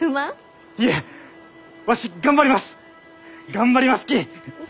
頑張りますき！